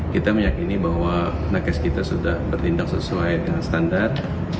kita meyakini bahwa nakes kita sudah bertindak sesuai dengan standar